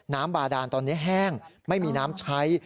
บาดานตอนนี้แห้งไม่มีน้ำใช้